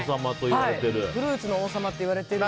フルーツの王様といわれている。